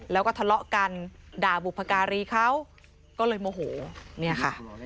แล้วก็ทะเลาะกันด่าบุพการีเขาก็เลยโมโหเนี่ยค่ะ